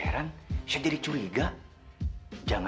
kenapa lu nyuruhin orang